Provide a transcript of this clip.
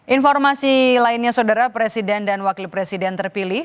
informasi lainnya saudara presiden dan wakil presiden terpilih